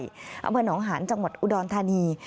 หมู่ที่๒ตะวันหนองหาญจังหวัดอุดอนธานี